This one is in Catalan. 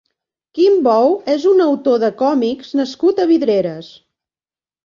Quim Bou és un autor de còmics nascut a Vidreres.